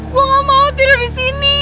gue gak mau tidur disini